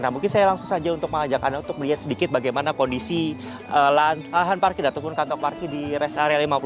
nah mungkin saya langsung saja untuk mengajak anda untuk melihat sedikit bagaimana kondisi lahan parkir ataupun kantong parkir di rest area lima puluh